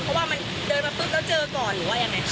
เพราะว่ามันเดินมาปุ๊บแล้วเจอก่อนหรือว่ายังไงคะ